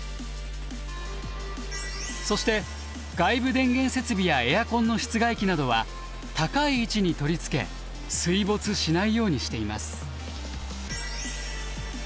そして外部電源設備やエアコンの室外機などは高い位置に取り付け水没しないようにしています。